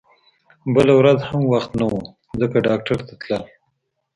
بله ورځ هم وخت نه و ځکه ډاکټر ته تلل